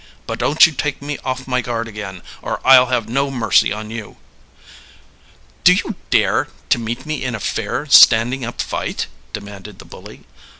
"But don't you take me off my guard again, or I'll have no mercy on you." "Do you dare to meet me in a fair, standing up fight?" demanded the bully.